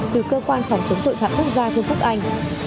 từ cơ quan phòng chống tội phạm quốc gia vương quốc anh